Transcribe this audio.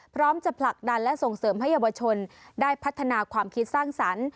พร้อมจะผลักดันและส่งเสริมให้เยาวชนได้พัฒนาความคิดสร้างสรรค์